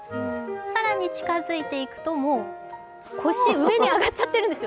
更に近づいていくと、腰上に上がっちゃってるんですよ。